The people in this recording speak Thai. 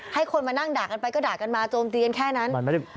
ให้คนมานั่งด่ากันไปก็ด่ากันมาโจมตีกันแค่นั้น